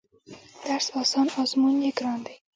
درس اسان ازمون يې ګران دی